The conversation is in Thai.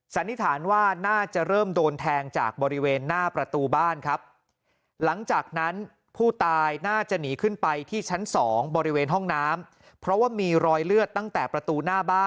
สันนิษฐานว่าน่าจะเริ่มโดนแทงจากบริเวณหน้าประตูบ้านครับ